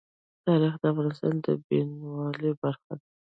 تاریخ د افغانستان د بڼوالۍ برخه ده.